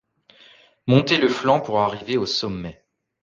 Monter le flanc pour arriver au sommet.